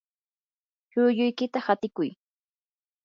chulluykita hatikuy.